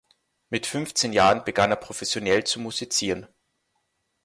Mit fünfzehn Jahren begann er professionell zu musizieren.